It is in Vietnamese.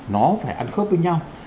nó phải ăn khớp với nhau